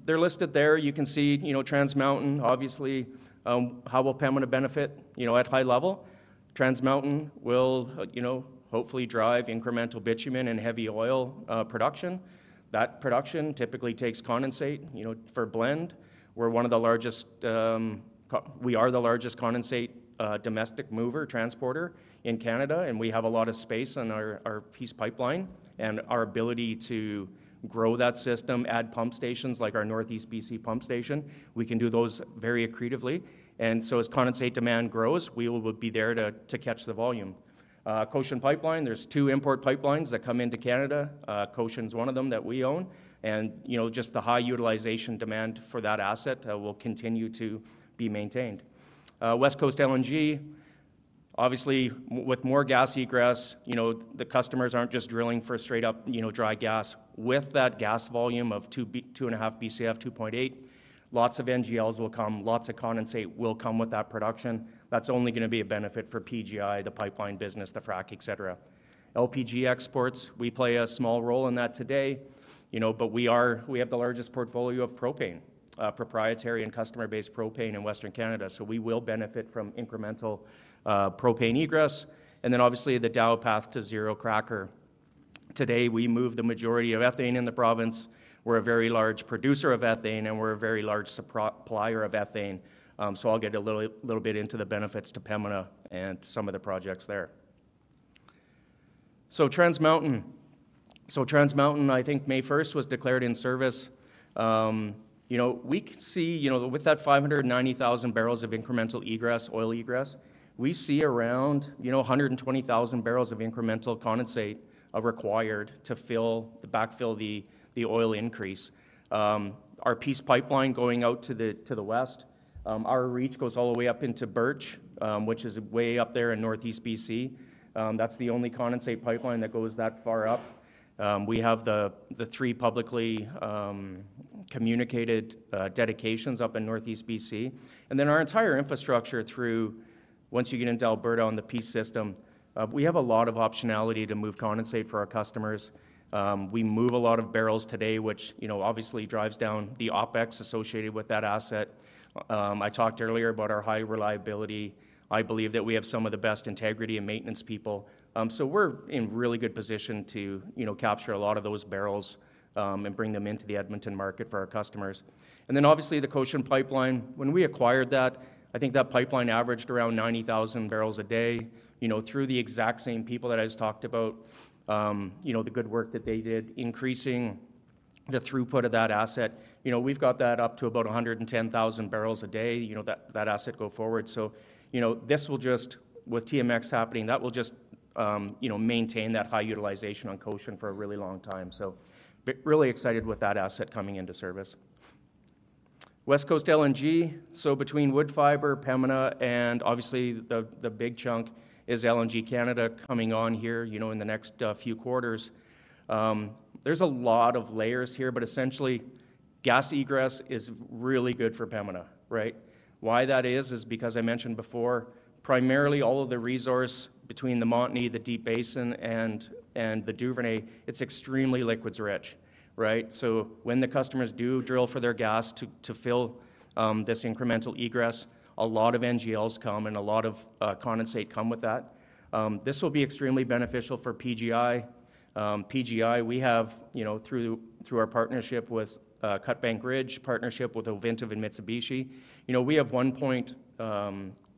they're listed there. You can see, you know, Trans Mountain, obviously. How will Pembina benefit, you know, at high level? Trans Mountain will, you know, hopefully drive incremental bitumen and heavy oil production. That production typically takes condensate, you know, for blend. We're one of the largest, we are the largest condensate domestic mover, transporter in Canada, and we have a lot of space on our Peace Pipeline. And our ability to grow that system, add pump stations like our Northeast B.C. pump station, we can do those very accretively. And so as condensate demand grows, we will be there to catch the volume. Cochin Pipeline, there's two import pipelines that come into Canada. Cochin is one of them that we own. You know, just the high utilization demand for that asset will continue to be maintained. West Coast LNG, obviously, with more gas egress, you know, the customers aren't just drilling for a straight-up, you know, dry gas. With that gas volume of 2.5 BCF, 2.8, lots of NGLs will come, lots of condensate will come with that production. That's only gonna be a benefit for PGI, the pipeline business, the frac, et cetera. LPG exports, we play a small role in that today, you know, but we have the largest portfolio of propane, proprietary and customer-based propane in Western Canada, so we will benefit from incremental propane egress. Then obviously, the Dow Path2Zero cracker. Today, we move the majority of ethane in the province. We're a very large producer of ethane, and we're a very large supplier of ethane. So I'll get a little bit into the benefits to Pembina and some of the projects there. So Trans Mountain. So Trans Mountain, I think May 1st was declared in service. You know, we can see, you know, with that 0.59 million barrels of incremental egress, oil egress, we see around, you know, 0.12 million barrels of incremental condensate are required to backfill the oil increase. Our Peace Pipeline going out to the, to the west, our reach goes all the way up into Birch, which is way up there in Northeast BC. That's the only condensate pipeline that goes that far up. We have the three publicly communicated dedications up in Northeast BC. And then our entire infrastructure through—Once you get into Alberta on the Peace Pipeline system, we have a lot of optionality to move condensate for our customers. We move a lot of barrels today, which, you know, obviously drives down the OpEx associated with that asset. I talked earlier about our high reliability. I believe that we have some of the best integrity and maintenance people. So we're in really good position to, you know, capture a lot of those barrels, and bring them into the Edmonton market for our customers. And then obviously, the Cochin Pipeline. When we acquired that, I think that pipeline averaged around 0.09 MMbpd. You know, through the exact same people that I just talked about, you know, the good work that they did, increasing the throughput of that asset. You know, we've got that up to about 0.11 MMbpd, you know, that, that asset go forward. So, you know, this will just, with TMX happening, that will just, you know, maintain that high utilization on Cochin for a really long time. So really excited with that asset coming into service. West Coast LNG. So between Wood Fibre, Pembina, and obviously, the big chunk is LNG Canada coming on here, you know, in the next few quarters. There's a lot of layers here, but essentially, gas egress is really good for Pembina, right? Why that is, is because I mentioned before, primarily all of the resource between the Montney, the Deep Basin, and the Duvernay, it's extremely liquids rich, right? So when the customers do drill for their gas to fill this incremental egress, a lot of NGLs come and a lot of condensate come with that. This will be extremely beneficial for PGI. PGI, we have, you know, through our partnership with Cut Bank Ridge, partnership with Ovintiv and Mitsubishi, you know, we have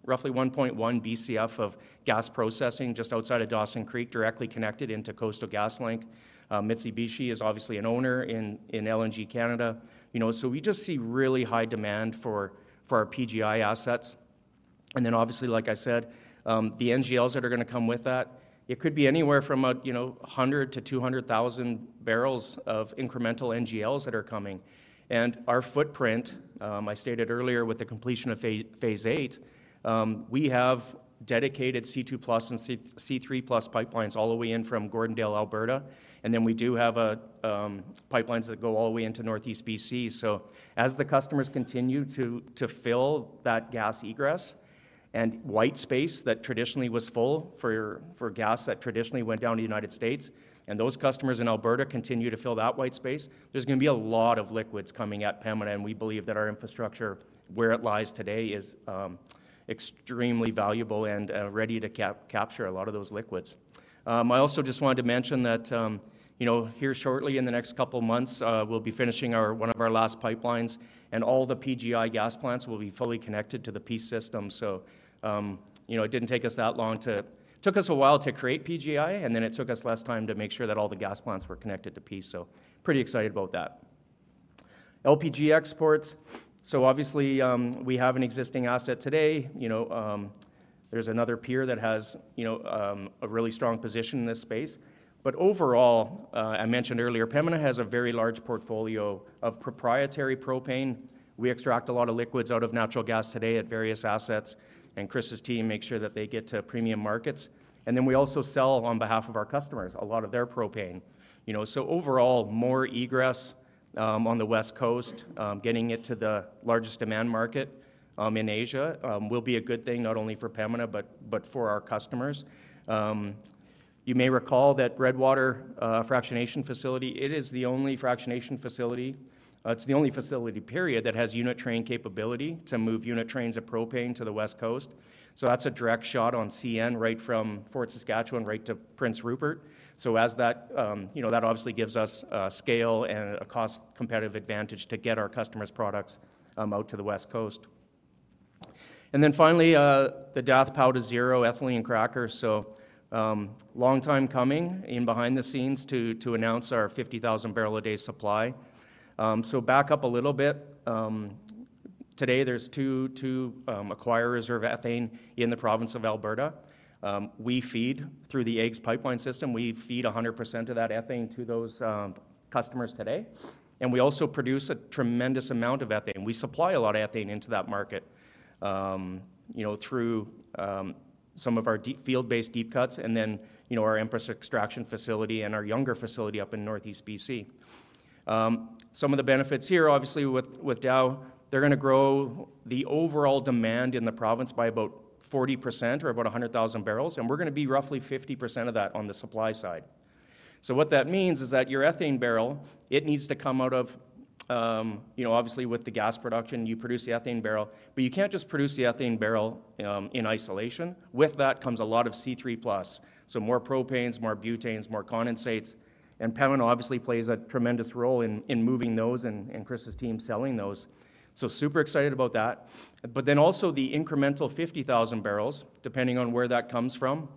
roughly 1.1 BCF of gas processing just outside of Dawson Creek, directly connected into Coastal GasLink. Mitsubishi is obviously an owner in LNG Canada. You know, so we just see really high demand for our PGI assets. And then obviously, like I said, the NGLs that are gonna come with that, it could be anywhere from 0.1 million barrels-0.2 million barrels of incremental NGLs that are coming. Our footprint, I stated earlier with the completion of Phase VIII, we have dedicated C2 plus and C3 plus pipelines all the way in from Gordondale, Alberta. Then we do have pipelines that go all the way into Northeast BC. So as the customers continue to fill that gas egress and white space that traditionally was full for gas that traditionally went down to the United States, and those customers in Alberta continue to fill that white space, there's gonna be a lot of liquids coming at Pembina, and we believe that our infrastructure, where it lies today, is extremely valuable and ready to capture a lot of those liquids. I also just wanted to mention that, you know, here shortly in the next couple of months, we'll be finishing our, one of our last pipelines, and all the PGI gas plants will be fully connected to the Peace system. So, you know, it didn't take us that long. It took us a while to create PGI, and then it took us less time to make sure that all the gas plants were connected to Peace, so pretty excited about that. LPG exports. So obviously, we have an existing asset today. You know, there's another peer that has, you know, a really strong position in this space. But overall, I mentioned earlier, Pembina has a very large portfolio of proprietary propane. We extract a lot of liquids out of natural gas today at various assets, and Chris's team makes sure that they get to premium markets. And then we also sell on behalf of our customers, a lot of their propane. You know, so overall, more egress, on the West Coast, getting it to the largest demand market, in Asia, will be a good thing, not only for Pembina, but, but for our customers. You may recall that Redwater, fractionation facility, it is the only fractionation facility. It's the only facility, period, that has unit train capability to move unit trains of propane to the West Coast. So that's a direct shot on CN, right from Fort Saskatchewan right to Prince Rupert. So as that, you know, that obviously gives us scale and a cost competitive advantage to get our customers' products out to the West Coast. And then finally, the Dow Path2Zero ethylene cracker. So long time coming in behind the scenes to announce our 0.05 MMbpd supply. So back up a little bit. Today there's two acquired reserve ethane in the province of Alberta. We feed through the AEGS pipeline system. We feed 100% of that ethane to those customers today, and we also produce a tremendous amount of ethane. We supply a lot of ethane into that market, you know, through some of our deep field-based deep cuts, and then, you know, our Empress extraction facility and our Younger facility up in Northeast B.C. Some of the benefits here, obviously with, with Dow, they're gonna grow the overall demand in the province by about 40% or about 100,000 barrels, and we're gonna be roughly 50% of that on the supply side. So what that means is that your ethane barrel, it needs to come out of—You know, obviously, with the gas production, you produce the ethane barrel, but you can't just produce the ethane barrel in isolation. With that comes a lot of C3 plus, so more propanes, more butanes, more condensates, and Pembina obviously plays a tremendous role in, in moving those and, and Chris's team selling those. So super excited about that. But then also the incremental 50,000 barrels, depending on where that comes from,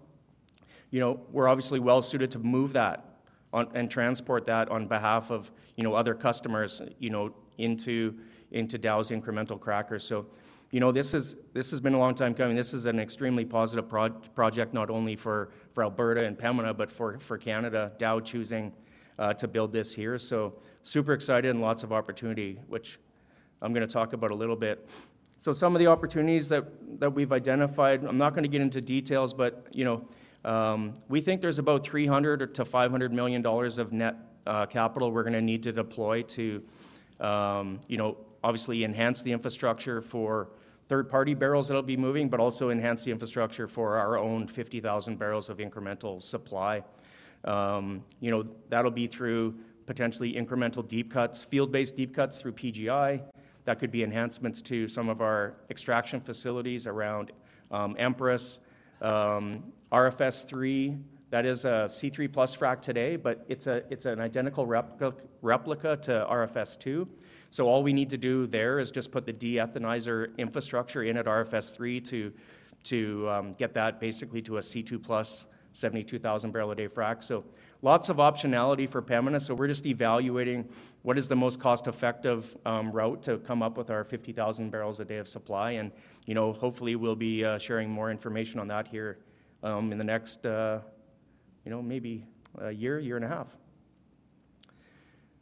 you know, we're obviously well-suited to move that on, and transport that on behalf of, you know, other customers, you know, into, into Dow's incremental cracker. So, you know, this has been a long time coming. This is an extremely positive project, not only for, for Alberta and Pembina, but for, for Canada, Dow choosing to build this here. So super excited and lots of opportunity, which I'm gonna talk about a little bit. Some of the opportunities that we've identified, I'm not gonna get into details, but, you know, we think there's about 300 million-500 million dollars of net capital we're gonna need to deploy to, you know, obviously enhance the infrastructure for third-party barrels that'll be moving, but also enhance the infrastructure for our own 50,000 barrels of incremental supply. You know, that'll be through potentially incremental deep cuts, field-based deep cuts through PGI. That could be enhancements to some of our extraction facilities around, Empress. RFS III, that is a C3 plus frack today, but it's a, it's an identical replica to RFS II. So all we need to do there is just put the de-ethanizer infrastructure in at RFS III to, get that basically to a C2 plus 0.072 MMbpd frac. So lots of optionality for Pembina. We're just evaluating what is the most cost-effective route to come up with our 0.05 MMbpd of supply and, you know, hopefully, we'll be sharing more information on that here in the next, you know, maybe a year, year and a half.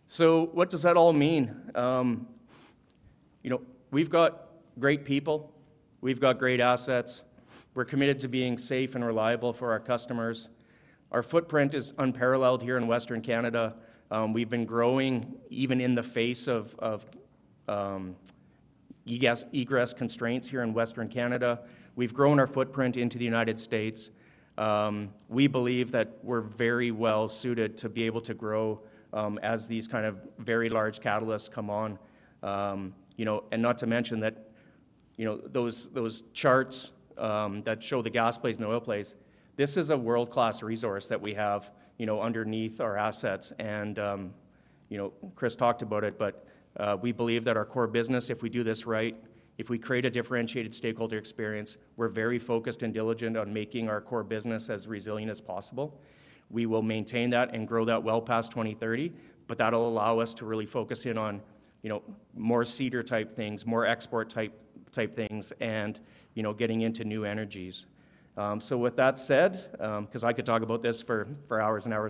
So what does that all mean? You know, we've got great people. We've got great assets. We're committed to being safe and reliable for our customers. Our footprint is unparalleled here in Western Canada. We've been growing even in the face of egress constraints here in Western Canada. We've grown our footprint into the United States. We believe that we're very well-suited to be able to grow as these kind of very large catalysts come on. You know, and not to mention that, you know, those, those charts that show the gas plays and oil plays, this is a world-class resource that we have, you know, underneath our assets. And, you know, Chris talked about it, but we believe that our core business, if we do this right, if we create a differentiated stakeholder experience, we're very focused and diligent on making our core business as resilient as possible. We will maintain that and grow that well past 2030, but that'll allow us to really focus in on, you know, more Cedar-type things, more export-type, type things, and, you know, getting into new energies. So with that said, 'cause I could talk about this for, for hours, and hours, and hours-